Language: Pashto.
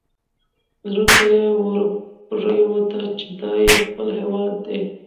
زړه ته یې ورپرېوته چې دا یې خپل هیواد دی.